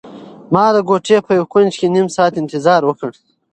ما د کوټې په یو کنج کې نيم ساعت انتظار وکړ.